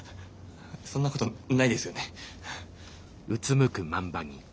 そんなことないですよね。